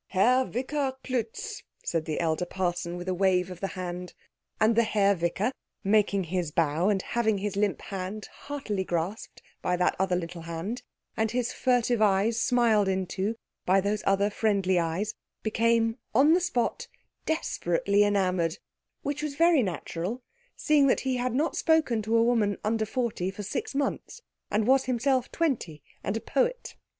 "Herr Vicar Klutz," said the elder parson, with a wave of the hand; and the Herr Vicar, making his bow, and having his limp hand heartily grasped by that other little hand, and his furtive eyes smiled into by those other friendly eyes, became on the spot desperately enamoured; which was very natural, seeing that he had not spoken to a woman under forty for six months, and was himself twenty and a poet.